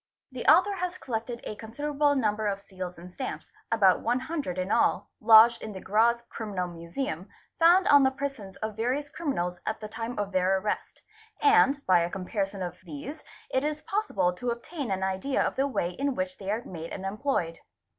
The author has collected a consider able number of seals and stamps, about one hundred in all, lodged in the Graz Criminal Museum, found on the persons of various criminals atl the time of their arrest, and by a comparison of these it is possible to. obtain an idea of the way in which they are made and employed.